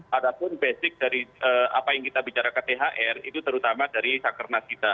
padahal basic dari apa yang kita bicara ke thr itu terutama dari sakernas kita